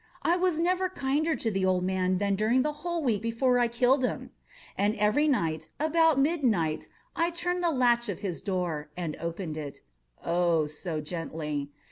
I was never kinder to the old man than during the whole week before I killed him. And every night, about midnight, I turned the latch of his door and opened it—oh, so gently!